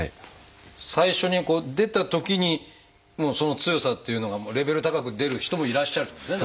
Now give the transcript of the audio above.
最初に出たときにその強さっていうのがレベル高く出る人もいらっしゃるってことですね。